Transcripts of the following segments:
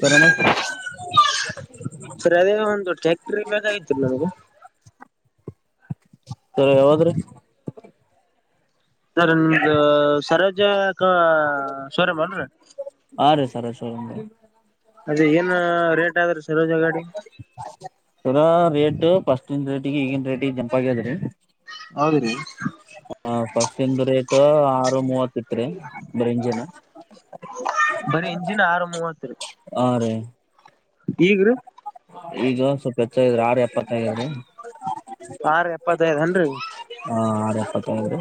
ಸರಾಮ ಸರಿ ಅದೇ ಒಂದು ಟ್ಯಾಕ್ಟರ್ ಬೇಕಾಗಿತ್ತು ನನಗ ಸರ ಯಾವಾದ್ರೀ ಸರ್ ನಿಮ್ದ ಸರೋಜ ಕ ಶೋರಾಮ್ಲ್ರ ಹಾ ರೀ ಸರ್ ಅದೇ ಏನ್ ರೇಟ್ ಆದ್ರೀ ಸರೋಜ ಗಾಡಿ ತರಾ ರೇಟ್ ಫಸ್ಟನ್ ರೇಟಿಗೆ ಈಗಿನ ರೇಟಿಗೆ ಜನಪ ಆಗ್ಯದ್ರೀ ಹೌದಿ್ರೀ ಹ ಫಸ್ಟ್ ಇನ್ ರೇಟ್ ಆರು ಮೂವತ್ ಇತ್ರಿ ಬರಿ ಇಂಜಿನ ಬರೀ ಇಂಜಿನ್ ಆರಂಭವತ್ರಿ ಹಾ ರೀ ಈಗ್ರೀ ಹ ಆಾರ ಎಪ್ಪತ್ತೈದ್ ನ್ರರಿ ಹಾ ಅದಪ್ಪತ್ತದು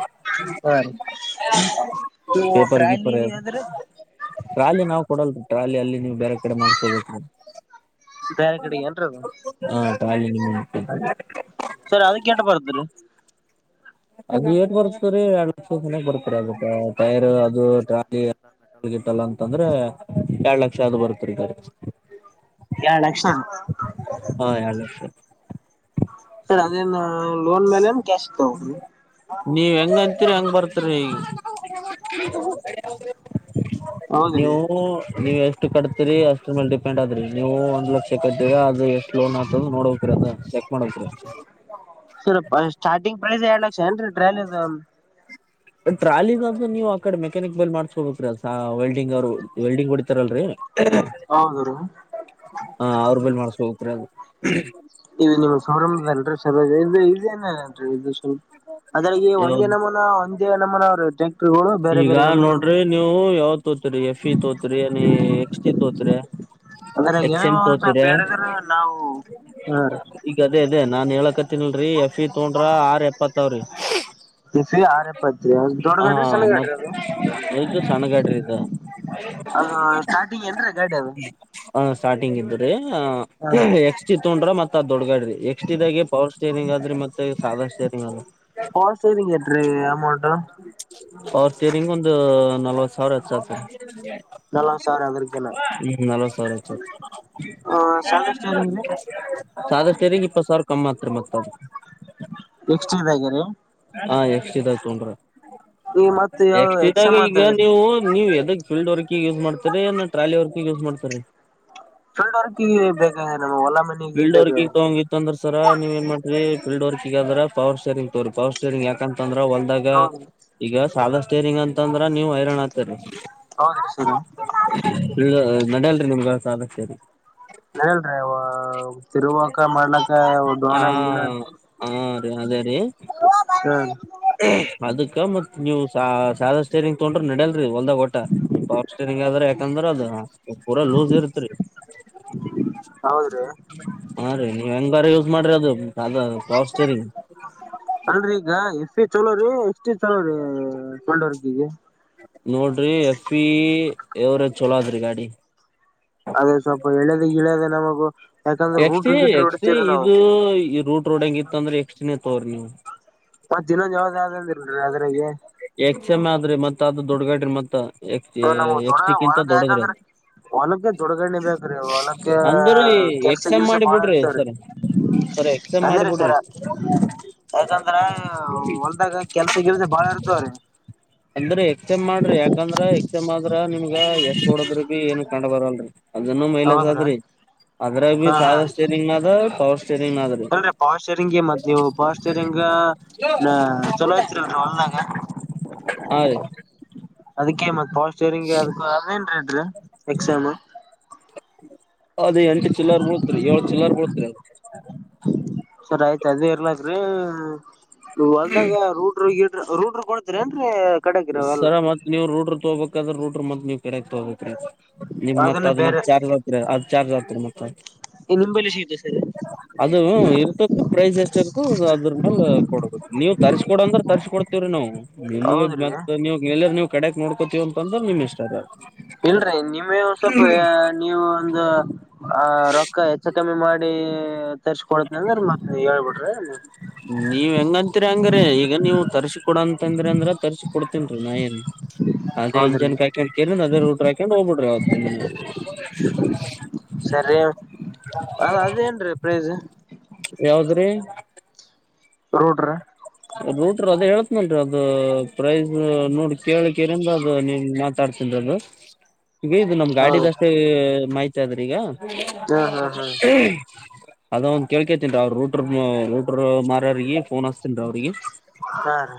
ಹಾ ರೀ ಇವು ಪೇಪರ್ ಟ್ರಾಲಿ ಗೀಪರ್ ಆದ್ರೆ ರಾಜಿ ನಾವು ಕೊಡಲ್ ಟ್ರಾಲಿ ಅಲ್ಲಿ ನೀವು ಬೇರೆ ಕಡೆ ಮಾಡ್ಸೋ ಬೇರೆ ಕಡೆಗೆ ಏನ್ರದು [unintelligible] ಸರಿ ಅದಕ್ಕೆೇಟ ಬರ್ತ್ರೀ ಅದು ಏಗ್ ಬರ್ತರಿ ಎರಡ್ ಲಕ್ಷ ಮನಯಾಗ ಬರ್ತರಿ ಅದು ಟೈರ್ ಅದು ಟ್ರಾಲಿ ಎ ೊಳಗತ್ತಲ್ಲ ಅಂತಂದ್ರೆ ಎರಡ್ ಲಕ್ಷ ಆದ ಬರುತ್ರಿ ಈಗ ಎರಡ್ ಲಕ್ಷ ಎರಡ್ ಲಕ್ಷ ಸ ಅದೇ ಲೋನ್ ಮೇಲೆ ಕ್ಯಾಶ್ ನೀವ್ ಹೆಂಗ ಅಂತೀರಿ ಹೆಂಗ ಬರ್ತರಿ ಈಗ ಹೌದ್ರಿ ನೀವು ನೀವು ಎಷ್ಟು ಕಟ್ತರಿ ಅಷ್ಟ ಮೇಲ್ ಡಿಪೆಂಡ್ ಆದ್ರಿ ನೀವು ಒಂದ್ ಲಕ್ಷ ಕಟ್ಟಿದರ ಅದು ಎಷ್ಟ್ ಲೋನ್ ಆಗ್ತದ್ ನೋಡ್ಬೇಕ್ರಿ ಅದ ಚೆಕ್ ಮಾಡುವಂತ್ರಿ ಸರ ಸ್ಟಾರ್ಟಿಂಗ್ ಪ್ರೈಸ್ ಎರಡ್ ಲಕ್ಷ ಏನ್ರಿ ಟ್ರೈಲೀ ದವರ ಟ್ರಾಲಿಗ ಅಂತು ನೀವ್ ಆ ಕಡೆ ಮೆಕಾನಿಕ್ ಬಲ್ ಮಾಡಸ್ಕೊಬೇಕ್ರಿ ವೆಲ್ಡಿಂಗ್ ಅವರು ವೆಲ್ಡಿಂಗ್ ಹೊಡಿತಾರಲ್ರರಿ ಹೌದ್ರಿ ಹ ಅವ್ರ ಬಲಿ ಮಾಡಸ್ಕೋಬೆಕ್ ರಿ ಅದು ಇ ನಿಮ್ಮ ಸಂರಂಭದಲ್ರೀ ಚಲ ಇದು ಇದೇನನ್ ಇದು ಸ್ವಲ್ಪ ಅದ್ರ ಈ ಒಂದೇ ಯಾವ್ದ್ ನಮ್ಮನ ಒಂದೇ ನಮ್ಮನ ಅವ ರಿ ಈಗ ನೋಡ್ರಿ ನೀವು ಯಾವ ತೋತ್ರಿ ಎಫ್ ಇ ತೋತ್ರಿ ನೀ ಎಕ್ಸ್ ಟಿ ತೋತ್ರಿ ಅದ್ರಾಗ ತ್ರಿ ಎಕ್ಸ ಏನೇನೋ ಎಮ್ ಒಂದ್ ತೋತೀರ ಸ್ವಲ್ಪ ಹೇಳಿದ್ರ ನಾವು ಹಾ ರೀ ಈಗ ಅದೇ ಅದೇ ನಾನ್ ಹೇಳಕ ತಿಲ್ರರಿ ಎಫ್ ಇ ತಗೊಂಡ್ರ ಆರ್ ಎಪ್ಪತ್ತಾವ್ರಿ ಆರ್ ಎಪ್ಪತ್ ರಿ ದೊಡ್ಡ ಗಾಡಿರಿ ಸಣ್ಣ ಗಾಡಿರಿ ಇದು ಸಣ್ಣ ಗಾಡಿ ರಿ ಇದ ಅದು ಸ್ಟಾರ್ಟಿಂಗ್ ಏನ್ರಿ ಗಾಡಿ ಅದು ಹ ಸ್ಟಾರ್ಟಿಂಗ್ ಇದ್ದ್ರರಿ ಎಕ್ಸ್ ಟಿ ತೊಗೊಂಡ್ರ ಮತ್ತ ದೊಡ್ಗಾಡ್ರಿ ಎಕ್ಸ್ಟ್ ಇದಾಗೆ ಪವರ್ ಸ್ಟೇರಿಂಗ್ ಆದ್ರಿ ಮತ್ತೆ ಸಾಧಾರ ಸ್ಟೇರಿಂಗ್ ಆದ್ರಿ ಎಕ್ಸ ಟ್ರೀ ಎಟ್ ರಿ ಅಮ್ಮೌಂಟ್ ಪವರ್ ಸ್ಟೇರಿಂಗ್ ಒಂದು ನಲ್ವತ್ ಸಾವಿರ ಹೆಚ್ಚು ಆತುದ ನಲ್ವತ್ ಸಾವಿರ ಅದ್ರಕಿನ ರಿ ಹ್ಮ್ ನಲವತ್ತ ಸಾವಿರ ಹೆಚ್ಚು ಸಾದಾ ಸ್ಟೇರಿಂಗ್ ರೀ ಆತುದ ಸಾದಾ ಸ್ಟೇರಿಂಗ್ ಇಪ್ಪತ್ ಸಾವಿರ ಕಮ್ಮಿ ಅತ್ರಿ ಮತ ಆದ ಎಕ್ಸಾ ಟಿ ದಾಗೆ ರಿ ಹಾ ಎಕ್ಸ್ ಟಿ ದಾಗ ತೊಗೊಂಡ್ರ [unintelligible] ಎಕ್ಸ ಟಿ ಎಕ್ಸಮ್ ದಾಗ ಈಗ ಆತದ್ರಿ ನೀವು ನೀವ ಎದಾಗ ಫೀಲ್ಡ್ ವರ್ಕ್ ಯೂಸ್ ಮಾಡ್ತೀರಿ ಟ್ರಾಲಿ ವರ್ಕ್ಗ ಯೂಸ್ ಮಾಡ್ತರಿ ಫೀಲ್ಡ್ ವರ್ಕ್ ಗ ಬೇಕ್ ಆಗ್ಯದ ನಮ್ಮ ಹೊಲ ಮನೆಗ ಫೀಲ್ಡ್ ಬೇಗ ವರ್ಕಿಗ್ ತಗೊಂಗಿತ್ತು ಅಂದ್ರ ಸರ ನೀವ ಏನ್ ಮಾಡ್ರಿ ಫೀಲ್ಡ್ ವರ್ಕ್ಗದ್ರ ಪವರ್ ಸ್ಟೇರಿಂಗ್ ಪವರ್ ಸ್ಟೇರಿಂಗ್ ಯಾಕಂತ ಅಂದ್ರ ಹೊಲ್ದಾಗ ಹೌದ್ರಿ ಈಗ ಸಾದ ಸ್ಟೇರಿಂಗ ಅಂತಂದ್ರ ನೀವ ಹೈರಾಣ ಆತೀರಿ ಹೌದ್ರಿ ಸರ್ ಇದು ನಡಲ್ರಿ ನಿಮ್ಗೆ ಸಾದಸ್ಟೇರಿಂಗ ನಾಡಿಯಲ್ರೀ ಅವ ತಿರುವಕ ಮಾಡಲ್ಲಕ ಆ ಹೊಲ ಗಿಲಾ ಹ ಅದೇ ರೀ ಹ್ಮ ಅದಕ್ಕ ಮತ್ ನೀವ್ ಸಾಧ ಸ್ಟೇರಿಂಗ್ ತೊಗೊಂಡ್ರೆ ನಡೆಯಲ್ಲ ಹೊಲ್ದ ಓಟಾ ಪರ್ ಸ್ಟೇರಿಂಗ್ ಆದ್ರ ಯಾಕಂದ್ರ ಅದ ಪೂರಾ ಲೂಸ್ ಇರ್ತ್ರಿ ಹೌದ್ರಿ ಹಾ ರೀ ನೀ ಹೆಂಗಾರ ಯೂಸ್ ಮಾಡ್ರಿ ಅದು ಅದ ಪವರ್ ಸ್ಟೇರಿಂಗ್ ಅಲ್ರಿ ಈಗ ಇಕ್ಮ್ಗಿ ಚಲೋ ರೀ ಎಷ್ಟು ಇತ್ತ ರೀ ಫೀಲ್ಡ್ ವರ್ಕಿಂಗ್ ನೋಡ್ರಿ ಎಫ್ ಈ ಎವರೇಜ್ ಚಲೋ ಆದ್ರಿ ಗಾಡಿ ಅದೇ ಸ್ವಲ್ಪ ಎಳ್ಯದ ಗಿಳ್ಯದ ನಮಗು ಯಾಕಂದ್ರೆ ಎಕ್ಸಿ ರೂಟ್ರ ಗಿಟ್ರ ಎಕ್ಸಿ ಹೊಡಿತೀವ್ರಿ ನಾವು ಇದು ಈ ರೂಟ್ ರೋಟವೆಡೆಂಗತಂದ್ರೆ ಎಕ್ಸ್ಟಿನೇ ತೊರು ನೀವು ಮತ್ತ ಈನ್ನೊಂದು ಯಾವಾದ ಆದಂದಲ್ರಿ ಅದ್ರಾಗೆ ಮತ್ತ ಅ ದೊಡ್ಡಗಾಡ್ರಿ ಮತ್ತ ಎಕ್ ನಮ್ ದೊಣ ಎಕ್ಸ್ಟಿಕ್ ಇಂತ ಹೊಲಕ್ ದೊಡದ್ರಿ ಅ ಯಾಕಂದ್ರ ಹೊಲಕ್ಕೆ ದೊಡ ಗಾಡ್ನೆ ಬೇಕ್ರೀ ಹೊಲಕ್ಕೆ ಅಂದ್ರ ಕೆಲ್ಸ ಎಕ್ಸಮ್ ಗಿಲ್ಸ ಮಾಡಿ ಬಾಳ ಬಿಡ್ರಿ ಇರ್ತ ರೀ ಸರ್ ಸರಿ ಎಕ್ಸ್ಚೇಂಜ್ ಮಾಡಿಬಿಡ್ರಿ ಸರ ಯಾಕಂದ್ರ ಹೊಲ್ದಾಗ ಕೆಲ್ಸ ಗಿಲ್ಸ ಬಾಳ ಇರ್ತವ್ರಿ ಅಂದ್ರೆ ಎಕ್ಸ್ಚೇಂಜ್ಮಾಡ್ರಿ ಯಾಕಂದ್ರ ಸುಮಂದ್ರ ನಿಮ್ಗೆ ತೋಡೋದ್ರ ಬಿ ಏನು ಕಂಡ್ ಬರಲ್ರರಿ ಅದನ್ನು ಮೈಲೇಜ್ ಹೌದ್ರ ಆದ್ರಿ ಅದರಾಗ್ಬಿ ಸದಾ ಸ್ಟೇರಿಂಗ್ ನಾಗ ಪವರ್ ಸ್ಟೇ ಅಲ್ರಿ ಪವರ ಸ್ಟೇರಿಂಗ ಮತಾನಿವ್ ಪವರ ಸ್ಟೇರಿಂಗ ನ ಚಲೋಂ ತ್ರಿ ಹೊಲ್ದಾಗ ಹಾ ರೀ ಅದ ಮತ್ ಪವರ್ ಸ್ಟೇರಿಂಗ್ ಅದ ಅದೇನ್ ರೀ ಎಕ್ಸಾಮ್ ಅದೇ ಎಂಟು ಚಿಲ್ಲರ್ ಬುಳತ್ರಿ ಏಳ್ ಚಿಲ್ಲರ್ ಬುಳತ್ತಿ ಸರಿ ಆಯ್ತು ಅದೇ ಇರ್ಲಕ್ರೀ ನೀ ಹೊಲ್ದಾಗ ರೂಟ್ರು ಗಿ ಟ್ರ ರೋ ಟ್ರ ಕೊಡುತ್ತೀರೇನ್ರಿ ಸರ ಮತ್ ನೀವು ರೂಡ್ರ್ ತಗೋಬೇಕಾದ್ರೆ ರೂಡ್ ಮತ್ವವು ಬೆರೆದತಗೋಬೇಕು ನಿಮ್ ಅದನ್ನ ಮತ್ತತ್ ಅದ್ ಮತ್ ಬೇರೆ ಚಾರ್ಜ್ ಆತ್ರಿ ಅದ್ ಚಾರ್ಜ್ ಆತ್ರಿ ಮತ್ತ ಸ ಅದು ಇರ್ತತಿ ಕೊಡ ನೀವು ತರ್ಸಕ ಕೊಡ ಅಂದ್ರ ತರ್ಸ ಕೊಡ್ತತಿವ್ರಿ ನಾವುಗಳು ನಿಮಗೆ ಹೌದ್ರಿ ಮತ್ತತ್ ನೀವ ಮ ನೀವು ಕಡೆ ಕ್ ನೋಕೋತೀವಿ ಇಲ್ರಿ ನಿಮ್ಮೇ ವೆ ಸ್ವಲ್ಪ ನೀವು ಒಂದು ಆ ರೊಕ್ಕ ಹೆಚ್ಚ ಕಮ್ಮಿ ಮಾಡಿ ತರ್ಸ್ಕೊಡತನ ಅಂದ್ರ ಮತ್ತ ನೀವು ಹೇಳ್ಬಿಡ್ರಿ ನೀ ನೀವ್ ತರಿಸಿಕೊಡು ಅಂತಂದ್ರ ತರಿಸಿ ಕೊಡ್ತೀನಿ ಡ್ರಿ ನಾಯೆನ್ ಅದೇ ಹೌದ್ರಿ ಇಂಜನ್ ಕ ಹಾಕೊಂಡ್ ಕೇರಿ ಅದೇ ರೂಟ್ರ ಹಾಕೊಂಡ್ ಹೋಗ್ಬಿಡ್ರಿ ಅವತ್ತ ನೀ ಸರಿ ಅದು ಅದೇನ್ರೀ ಪ್ರೈಜ್ ಯಾವದ್ರಿ ರೋ ಟ್ ಟ್ರಿ ರೂಟ್ರ ಅದ ಹೇಳತ್ನಲ್ರಿ ಅದ ಪ್ರೈಸ್ ನೋಡಿ ಕೇಳಕ್ಕೆರಂ ದ್ರ ಅದು ನೀನಗ ಹಾಕ ಮಾತಾಡ್ತನ್ರದು ಈಗ ಇದು ನಮ್ ಹೌದು ಗಾಡಿದಷ್ಟೇ ಮಾಹಿತಿ ಆದ್ರ ಈಗ ಹಾ ಹಾ ಹಾ ಹ್ಮ ಅದ ಒಂದು ಕೇಳ್ಕೇತನ್ ರ ಅವರು ರೂಟರ್ ರೂಟರ್ ಮಾರರಿಗೆ ಫೋನ್ ಹಸ್ತನ್ ರಿ ಅವ್ರಿಗೆ ಹಾ ರೀ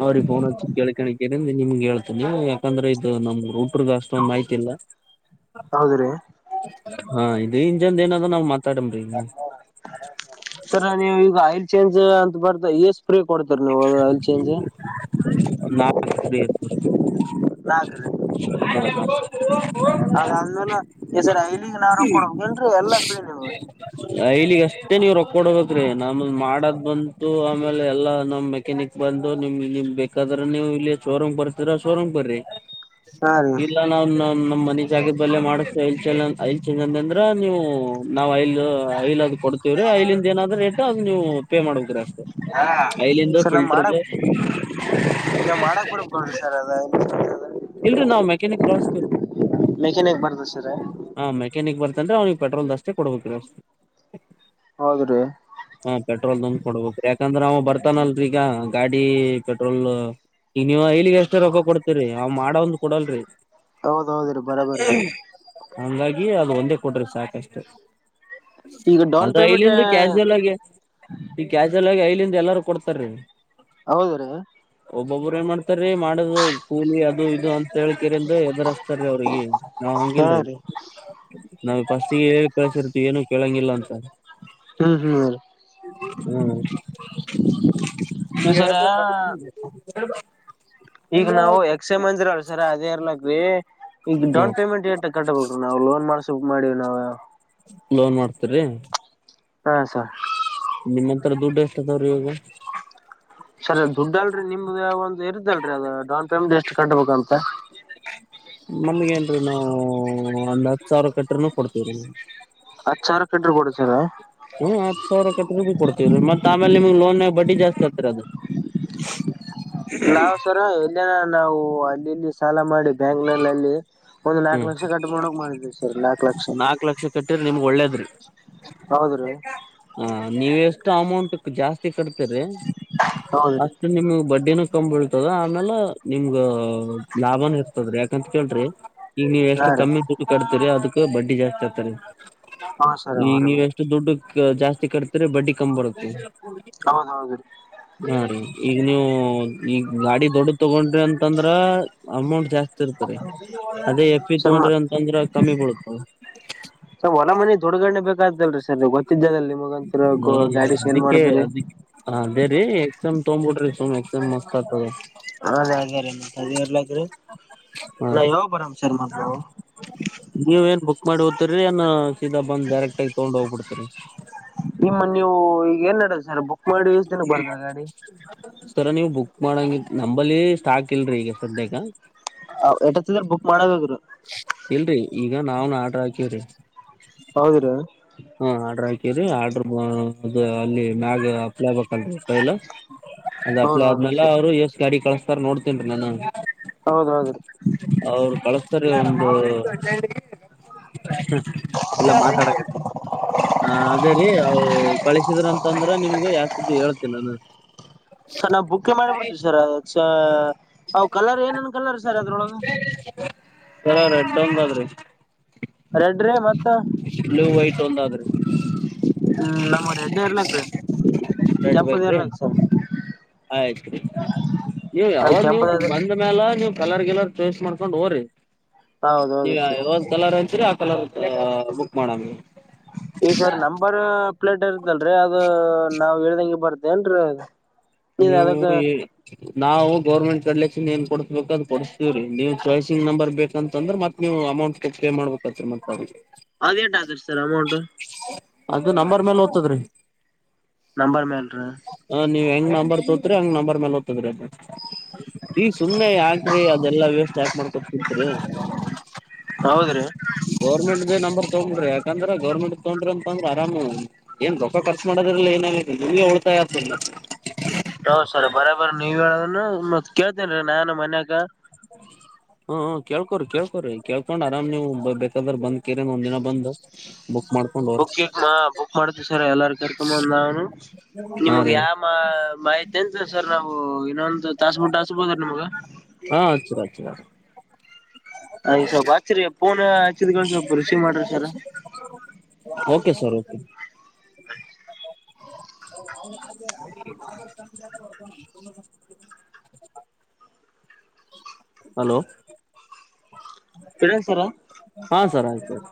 ಅವ ರೀ ಫೋನ್ ಚಿ ಕೇಳಿಕೇಂದ್ರ ಕೇ ನಿಮ್ಗೆ ಹೇಳ್ತನಿ ಯಾಕಂದ್ರೆ ಇದು ನಮ್ ರೂ ಅಷ್ಟೊಂದು ಮಾಹಿತಿ ಇಲ್ಲ ಹೌದ್ರಿ ಹ ಇದು ಇಂಜನದ ಏನ ನ್ ಮ ತರಂಬರಿ ಈಗ ಸರ್ ನೀವು ಈಗ ಆಯಿಲ್ ಚೇಂಜ್ ಅಂತ ಬರ್ತ ಎಸ್ ಫ್ರಿ ಕೊಡ್ತರ ನೀವು ಅಲ್ಲಿ ಚೇಂಜ್ ನಾ ಹ ನಾಲ್ಕ ರೀ ಅದಾದ್ಮೇಲೆ ಈ ಸರಿ ಐಲಿಗ್ ನಾ ರೋಕ್ಕ ಕೊಡಬೇಕ ಏನ್ರೀ ಎಲ್ಲಾ ಫ್ರೀ ಇದಾಗ ಮತ್ತ ನೀವು ರೊಕ್ಕ ಕೊಡಬೇಕ್ರೀ ನಮ ಮಾಡದ್ ಬಂತು ಆಮೇಲೆ ಎಲ್ಲಾ ನಮ್ ಮೆಕ್ಯಾನಿಕ್ ಬಂದು ನಿಮ್ ನಿಮ್ ಬೇಕಾದ್ರ ನೀವು ಇಲ್ಲಿ ಶೋರೂಮ್ ಬರ್ತೀರ ಶೋರೂಮ್ ಬರ್ರರಿ ಹಾ ರೀ ಇಲ್ಲ ನಾನನ್ ನು ್ ಮ ಜಾಗದ ಬಲ್ಲೇ ಮಾಡಚೆಂದಂದ್ರ ನೀವು ನಾವ್ ಲ್ ಲ್ದು ಕೊ ವ್ರ ಇಲ್ಲಿಂದ ಏನಾದ್ರೂ ರೇಟ್ ಅದ ನೀವು ಪೇ ಮಾಡ್ಬೇಕುದ್ರೆ ಅಷ್ಟೆ ೈಲಂದು ಸರ್ ನಮ್ ಫಿಲ್ಟರ್ ಮಾಡಕ್ ನಾವ್ ಮಾಡಕ್ ಬರ್ಬೇಕಲ್ರಿ ಸರ್ ಅದ ಇಲ್ರರಿ ನಾವ್ ಮೆಕ್ಯಾನಿಕ್ ಕಳಸ್ತರರಿ ಮೆಕೆಾನಕ್ ಬರ್ತ ಸರ ಅಂದ್ರೆ್ನಿಗೆ ಪೆಟ್ರೋಲ್ ಅಷ್ಟೇ ಕೊಡ್ ಹಬೇಕಿ ಅಷ್ಟ ಹೌದ್ರೀ ಹಾ ಪೆಟ್ರೋಲ್ ತಂದು ಕೊಡಬದು ಯಾಕಂದ್ರ ಅವ ಬರ್ತಾನಲ್ರಿ ಈಗ ಗಾಡಿ ಪೆಟ್ರೋಲ್ ನೀವ ಇಲ್ಲಿಗ ಎಷ್ಟ ರೊಕ್ಕ ಕೊಡ್ತೀರಿ ಮಾಡ ಒಂದು ಕೊಡಲ್ರಿ ಹೌದ್ ಹೌದ್ರಿ ಬರಬರಿ ಸರ್ ಹಂಗಾಗಿ ಅದು ಒಂದು ಕೊಡ್ರಿ ಸಾಕಷ್ಟು ಈಗ ಡೌನ್ ಅದ ಪೇಮೆಂಟ್ ಐಲ್ಲಿಂದು ಕ್ಯಾಾಜುವಲ್ ಆಗಿ ಈ ಕ್ಯಾಾಜಲ್ ಆಗಿ ಐಲ್ಲಿಂದ ಎಲ್ಲರೂ ಕೊಡ್ತಾರೀ ಹೌದ ರೀ ಒಬ್ಬೊಬ್ರು ಏನ್ ಮಾಡ್ತಾರೀ ಮಾಡುದು ಇ ಇದು ಅಂತ ಹೇಳ್ಕರಿಿಂದ ಎದುರಸ್ತಾರೀ ಅವ್ರಿಗೆ ನಾವ್ ಹಾ ಹಂಗಿಲ್ರಿ ರೀ ನಾವ್ ಫಸ್ಟ್ಿಗೆ ಕೆಳಸ ಇರ್ತದು ಏನು ಕೇಳೋಂಗಿಲ್ಲ ಅಂತ ಹ್ಮ್ ಹ್ಮ್ ಈ ಸರ ಅ ಈಗ ನಾವು ಎಕ್ಸ್ ಎಂ ಮಂದಿರ ಸರ್ ಅೇರ್ಲಾಕೀ ಈಗ ಹ್ಮ ಡೌನ್ ಪೇಮೆಂಟ್ ಏ ಕಟ್ಟಬೇಕೀ ನಾವು ಲೋನ್ ಮಾಡ್ಸ ಮಾಡಿ ನಾವ ಲೋನ್ ಮಾಡ್ತರಿ ಹಾ ಸರ್ ರ ದುಡ್ಡು ಎಷ್ಟ ಅದಾವ್ರಿ ಇವಾಗ ಸರಿ ದುಡ್ಡ ಅಲ್ರರಿ ನಿಮ್ದ ಒಂದು ಇರದಲ್ರಿ ಅದ ಡೌನ್ ಪೇಮೆಂಟ್ ಎಷ್ಟು ಕಟ್ಬೇಕಂತ ನಮ್ಗೆ ನ್ೀ ನಾವು ಒಂದ್ ಹತ್ತು ಸಾವಿರ ಕಟ್ಟ್ರನ ಕೊಡ್ತೀವ್ರ ಹತ ಸಾವ್ರ ಕಡರು ಕೊಡ್ತೀರ ಸಿರ್ ಹ್ಮ್ ಹತ್ತು ಸಾವಿರ ಕಟ್ಟ ರೂಪಿ ಕೊಡ್ತತಿವರಿ ಮತ್ತತ್ ಆಮೇಲೆ ನಿಮ್ ಲೋನ್ ಬಡ್ಡಿ ಜಾಸ್ತಿ ಆತರ ಅದು ನಾವವು್ ಸರ ಎಲ್ಲಿನ ನಾವು ಅಲ್ಲಿಲ್ಲಿ ಸಾಲ ಮಾಡಿ ಬ್ಯಾಂಕ ಅಲ್ಲಿ ಒಂದ್ ನಾಲ್ಕ್ ಹ್ಮ್ ಲಕ್ಷ ಕಟ್ ಮಾಡಕ್ ಮಾಡಿದ್ವಿ ಸರ್ ನಾಲ್ಕ್ ಲಕ್ಷ ನಾಕ್ ಲಕ್ಷ ಲಕ್ಷ ಕಟುರ್ ನಿಮ್ಗ ಒಳ್ಳೇದ್ರಿ ಹೌದ್ರಿ ಹ ನೀವ ಎಸ್ ಟ ಅಮೌಂಟ್ ಜಾಸ್ತಿ ಕಟೇತಿರಿ ಹೌದ್ರಿ ಅಷ್ಟ ನಿಮ ಬಡ್ ಕಮ ಬೀಳ್ತದ ಆಮೇಾಲ ನಿಮ್ಗ ಲಾಭನ ಇರ್ತದ್ರಿ ಯಾಕಂತ ಕೇಳ್ರಿ ಈಗ ನೀವ ಹಾ ಎಷ್ಟು ರೀ ಕಮ್ಮಿ ದುಡ್ಡು ಕಟ್ತೀರಿ ಅದಕ್ ಬಡ್ಡಿ ಜಾಸ್ತಿ ಆಗ್ತಾರೆ ಹಾ ಸರ್ ಹೌ ಈಗ ರೀ ನೀವ ಎಷ್ಟು ದುಡ್ಡು ಜಾಸ್ತಿ ಕಟತಿರಿ ಬಡ್ಡಿ ಕಮ ಬರುತ್ತೆ ಹೌದೌದ್ರೀ ಹಾ ರೀ ಈಗ ನೀವು ಈ ಗಾಡಿ ದೊಡ್ಡ ತಗೊಂಡ್ರಿ ಅಂತಂದ್ರ ಅಮೌಂಟ್ ಜಾಸ್ತಿ ಇರ್ತರಿ ಅದೇ ಎಫ್ಿ ತಗೊಂಡ್ರಿ ಸರ್ ಅಂತಂದ್ರೆ ಕಮ್ಮಿ ಬಿಳತ ಲತಾ ಸರ್ ಗೊತ್ತಿದ್ದಲ್ಲಿ ಹ್ಮ ಅದಿಕ್ಕೆ ಅದಿ ಹ ಅದೇ ರೀ ಎಕ್ಸಾಮ್ ತೊಗ್ಬಿಡ್ರಿ ಸುಮ್ ಎಕ್ಸಾಮ್ ಮ ಹತದ ಅದ ಅದ ರ ಮ ಅದ ಇರ್ಲ್ರೀ ಹಾ ನಾ ಯಾವಾಗ ಬರಾಮ ಸರ್ವು ನೀವ ಏನ್ ಬುಕ್ ತೂರಿ ಅನ್ನ ಸೀದಾ ಬಂದ್ ಡೈರೆಕ್ಟ್ ಆಗಿ ತಗೊಂಡ ಹೋಗ್ಬಿಡ್ತರಿ ನಿಮ್ಮ ನೀವು ಈಗ ಏನ್ ನಡ ಸರ ನೀ ನೀವು ಬುಕ್ ಮಾಡಂಗ ನಂಬಲ್ಲಿ ಸ್ಟಾಕ್ ಇಲ್ರಿೀ ಈಗ ಸದ್ಯಾಗ ಅ ಎಟ ಹತ್ತಿದ್ರೆ ಬುಕ್ ಮಾಡಬೇಕು ಇಲ್ರರಿ ಈಗ ನಾವನ್ ಆಡ್ರ ಹಾಕೇವ್ರಿ ಹೌದ್ರಿ ಹಾ ಆಡ್ರ ರಿ ಆರ್ಡ್ರ ಅಲ್ಲಿ ಮ್ಯಾಗ್ಪ್ಲೈಬೇಕಲ್ ಪೈಲ ಅದ್ ಅಪ್ಲೈ ಹೌದೌದ್ರಿ ಆದ್ಮೇಲೆ ಸರ್ ಅವ್ರು ಯಸ್ ಗಾಡಿ ಕಳಸ್ತಾರ ನೋಡ್ತೇನ್ೀ ನಾನ ಹೌದ ಹೌದು್ರ ಸರಿ ಒಂದು ಎಲ್ಲ ಮಾತಾಡ [unintelligible] ಹ ಅದೇ ರೀ ಕಳಿಸಿದ್ರ ಅಂತಂದ್ರೆ ನಿಮ್ಗ ಯಾಸ್್ದು ಹೇಳ್ತಿಲ್ಲ ನಾನು ಸರ್ ನಾವು ಬುಕ್ ಮಾಡಿಬಿಡ್ತೀವಿ ಸರ್ ಅದ ಅ ಕಲರ್ ಏನೇನ್ ಕಲರ್ ಸರ್ ಅದ್ರೊಳಗೆ [inaudible] ಹ ರೆಡ್ಡೊಂದಾದ್ರಿ ರೆಡ್ರಿ ಮತ್ತ ವೈಟ್ ಒಂದ್ ಆದ್ರಿ ಹ್ಮ್ ನಮ್ಮ್ರ ಎಡ್ಡ ಇರ್ಲಕ್ರೀ ರೆಡ್ ಕೆಂಪದ ಬೇಕ ರೀ ಇರ್ಲಕ್ ಸರ್ ಆಯ್ತ್ು ರೀ ನೀವು ಅದ ಯಾವಾಗ ನೀವು ಕೆಂಪದ ಬಂದ ಮ್ಯಾಲ ನೀವು್ ಕಲರ್ಗೆಲ್ಲರ್ ಚೋಯ್ಸ್ ಮಾಡ್ಕೊಂಡ್ ಹೋರಿ ನೀವ ಹೌದೌದು ಸರ್ ಯಾವ್ ಕಲರ್ ಅ ಆ ಕಲರ್ ಬುಕ್ ಮಾಡಾಮಗೆ ಈ ಸರ್ ನಂಬರ್ ಪ್ಲೇಟ್ ಇರ್ತ್ತಲ್ರರಿ ಅದು ನಾವವು ಇಳ್ದಂಗಗೆ ಬರ್ತೇನ್ರೀ ಅ ನೀವು ಇಗ್ ನಾವು ಗೌರ್ಮೆಂಟ್ ಕಡ್ಲೆ ಚನ್ ಏನ್ ಕೊಡ್ಸ್ಬೇಕು ಅದು ಕೊಡಸ್ತತಿವ್ರೀ ನೀವ್ ಚಾಯ್ಸಿಂಗ್ ನಂಬರ್ ಬೇಕಂತ ಅಂದ್ರ ಮತ್ ನೀವು ಅಮೌಂಟ್ ಪೇ ಮಾಡ್ಬೇಕತ್ರಿ ಅದುಕ್ ಅದೇಟಾ ಆದತ್ರಿ ಅಮೌಂ ಅದು ನಂಬರ್ ಮೇಲೆ ಹೋತದ್ರಿ ನಂಬರ್ ಮೇಲೆ ರಿ ಹ ನೀವ್ ಹೆಂಗ್ ನಂಬರ್ ತೋತ್ರಿ ಹಂಗ್ ನಂಬರ್ ಮೇಲೆ ಹ್ತದ್ರೀ ಅದು ಈ ಸುಮ್ಮನೆ ಯಾಕ್ರಿ ಅದೆಲ್ಲಾ ವೆಸ್ಟ್ ಯಾಕ್ ಮಾಡ್ಕೊತಿರತಿರಿ ಹೌದ್ರಿ ಗೌರ್ಮೆಂಟ ದ ನಂಬರ್ ತಗೊಂಡ್ರಿ ಅ ಯಾಕಂದ್ರೆ ಗರ್ಮೆಂಟ್ ತಗೊಂಡ್ರ ಅಂದ್ರ ಆರಾಮ್ ಏನ್ ರೊಕ್ಕ್ ಖರ್ಚ ಮಾಡದ್ರಿಲ್ಲಲ್ಲ ಏನಾಗತಿ ನಿವ್ಗೆ ಉಳತಾಯ ಆಗ್ತಿಲ್ಲ ಹೌ ಸರ ಬರಬರ ನೀವ ಹೇಳ ಮತ್ತ್ ಕೇಳ್ತೇನ್ರೀ ನಾನ ಮನ್ಯಾಗ ಹ ಹ್ಮ ಕೇಳ್ಕೋರರಿ ಕೇಳ್ಕೋರಿ ಕೇಳ್ಕೊಂಡ್ ಆರಾಮ್ ನೀವು ಬೇಕಾದ್ರ ಬಂದ್ ಕೀರನ್ ಒಂದ ದಿನ ಬಂದ್ ಬುಕ್ ಮಾಡ್ಕೊಂಡ್ ಬುಕ್ ಹೋರಿ ಮಾ ಬುಕ್ ಮಾಡ್ತಿವಿ ಸರ್ ಎಲ್ಲಾರ ಕರ್ಕಮ್ಮಂದ ನಾವ ಹಾ ನಿಮ್ಗ ರೀ ಯಾವ ಮಾ ಮಾಹಿತಿ ಅಂತ ಸರ್ ನಾವು ಇನ್ನೊಂದು ತಾಸಬುಡ್ ಹಚ್ಚಬೋದ್ರಾ ನಿಮ್ಗ ಹಾ ಅಚ್ಚಿರ ಅಚ್ಚರ ಹ ಸ್ವಲ್ಪ ಆಚ್ಚಚರ್ಯ ಪೂನ ಆಚ್ಚಿದಕೊಂಡ್ ಸ್ವಲ್ಪ ಬರೀ ಓಕೆ ಸರ್ ಓಕೆ ಹಲೋ ಹೇಳೀನಿ ಸರ್ ಹಾ ಸರ್ ಆಯ್ತು ಆಯ್ತು